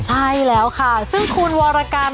ใช่แล้วค่ะซึ่งคุณวรกรรม